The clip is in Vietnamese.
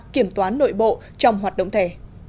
kiểm toán nội bộ trong hoạt động thẻ